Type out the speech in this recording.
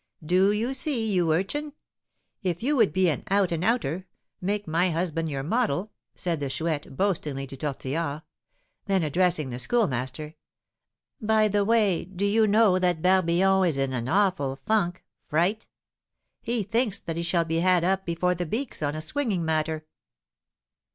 Do you see, you urchin? If you would be an 'out and outer,' make my husband your model," said the Chouette, boastingly to Tortillard. Then, addressing the Schoolmaster, "By the way, do you know that Barbillon is in an awful 'funk' (fright)? He thinks that he shall be had up before the 'beaks' on a swinging matter."